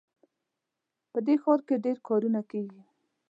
په دې ښار کې ډېر کارونه کیږي